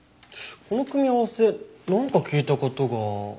この組み合わせなんか聞いた事が。